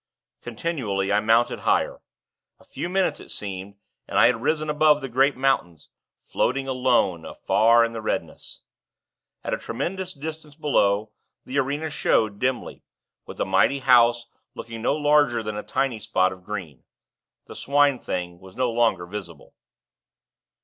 Continually, I mounted higher. A few minutes, it seemed, and I had risen above the great mountains floating, alone, afar in the redness. At a tremendous distance below, the arena showed, dimly; with the mighty House looking no larger than a tiny spot of green. The Swine thing was no longer visible.